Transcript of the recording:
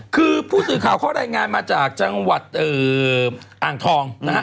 คือผู้สื่อข่าวเขารายงานมาจากจังหวัดอ่างทองนะฮะ